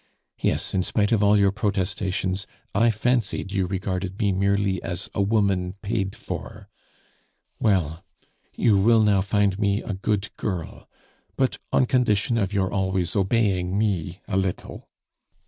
Yes, in spite of all your protestations, I fancied you regarded me merely as a woman paid for. "Well, you will now find me a good girl, but on condition of your always obeying me a little.